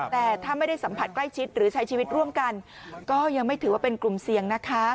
แต่ถ้าไม่ได้สัมผัสใกล้ชิดหรือใช้ชีวิตร่วมกันก็ยังไม่ถือว่าเป็นกลุ่มเสี่ยงนะคะ